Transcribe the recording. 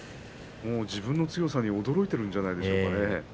自分の強さに驚いているんじゃないでしょうか。